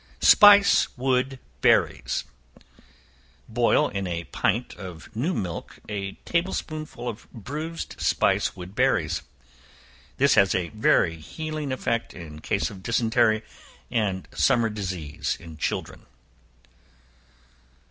Spice Wood Berries. Boil in a pint of new milk, a table spoonful of bruised spice wood berries. This has a very healing effect in cases of dysentery, and summer disease in children.